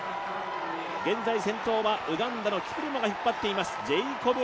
現在、先頭はウガンダのキプリモが引っ張っています。